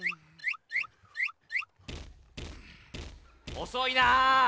おそいな。